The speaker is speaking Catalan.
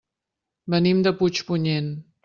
Venim de Puigpunyent.